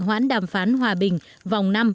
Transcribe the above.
hoãn đàm phán hòa bình vòng năm